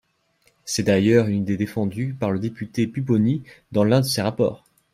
C’est d’ailleurs une idée défendue par le député Pupponi dans l’un de ses rapports.